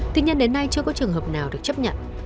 tuy nhiên đến nay chưa có trường hợp nào được chấp nhận